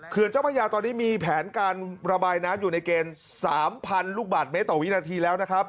เจ้าพระยาตอนนี้มีแผนการระบายน้ำอยู่ในเกณฑ์๓๐๐๐ลูกบาทเมตรต่อวินาทีแล้วนะครับ